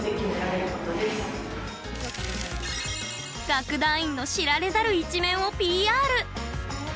楽団員の知られざる一面をＰＲ。